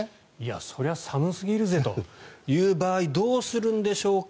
それは寒すぎるぜという場合どうするんでしょうか。